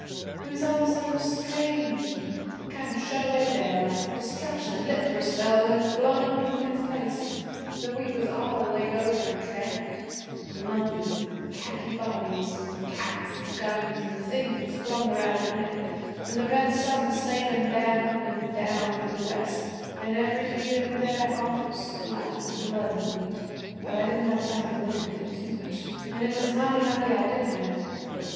'It was all so strange an' kind of shut away there, like destruction had lit for a spell an' then flown on to the next place. The wheat was all laid over an' tramped, and lumpy with khaki bodies, an' with caps an' guns an' things flung around in it, an' the red sun sailin' down an' down in the West, an' every here an' there awful splatters of blood in the wheat. But I didn't have time to look an' think too much an' it was mighty lucky I didn't have.